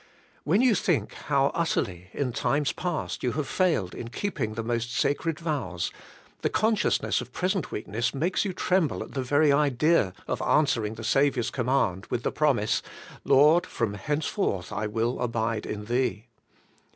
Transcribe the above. When you think how utterly, in times past, you have failed in keeping the most sacred vows, the consciousness of present weakness makes you tremble at the very idea of answering the Saviour's command with the promise, 'Lord, from henceforth I will abide in Thee.'